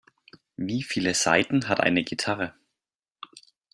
Wie viele Saiten hat eine Gitarre?